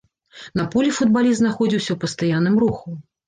На полі футбаліст знаходзіўся ў пастаянным руху.